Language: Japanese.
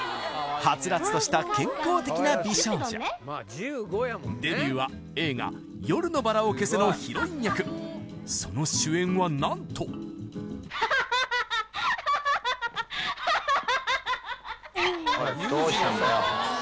ハツラツとした健康的な美少女デビューは映画「夜のバラを消せ」のヒロイン役その主演は何とハハハハハハハハハハハハハおいどうしたんだよ